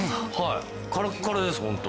カラッカラですホント。